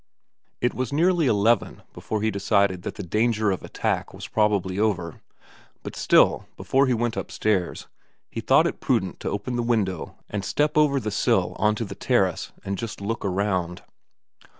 It was nearly eleven before he decided that the danger of attack was probably over ; but still, before he went upstairs, he thought it prudent to open the window and step over the sill on to the terrace and just look round.